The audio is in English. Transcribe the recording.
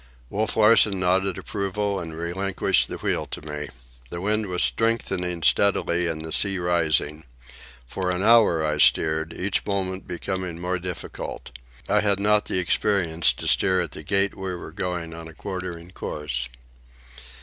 Wolf Larsen nodded approval and relinquished the wheel to me. The wind was strengthening steadily and the sea rising. For an hour I steered, each moment becoming more difficult. I had not the experience to steer at the gait we were going on a quartering course.